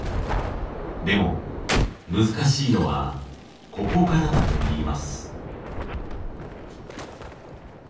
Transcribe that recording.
でも難しいのはここからだといいます。